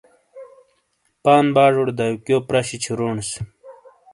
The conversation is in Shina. بان پاجوڑے دیکیو پرہ شی چھورونس